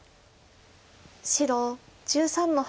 白１３の八。